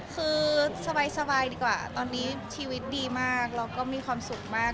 คือสบายดีกว่าตอนนี้ชีวิตดีมากแล้วก็มีความสุขมาก